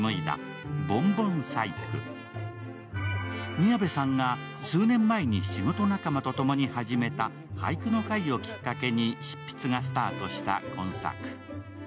宮部さんが数年前に仕事仲間と共に始めた俳句の会をきっかけに執筆がスタートした今作。